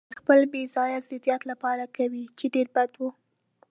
دا هرڅه د خپل بې ځایه ضدیت لپاره کوي، چې ډېر بد و.